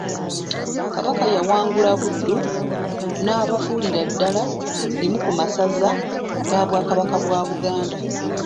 Kabaka yawangula Buddu, n'abufuulira ddala limu ku masaza ga Bwakabaka bwa Buganda.